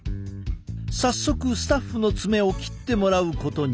早速スタッフの爪を切ってもらうことに。